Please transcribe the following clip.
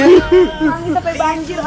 panggit sampai banjir